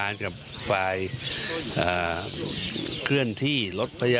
อีกสักครู่เดี๋ยวจะ